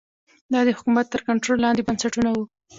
دا د حکومت تر کنټرول لاندې بنسټونه وو